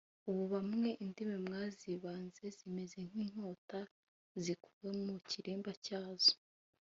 ubu bamwe indimi mwazibanze zimeze nk’inkota zikuwe mu kirimba cyazo